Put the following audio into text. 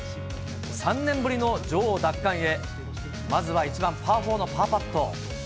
３年ぶりの女王奪還へ、まずは１番パー４のパーパット。